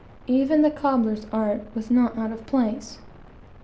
Even the cobbler's art was not out of place.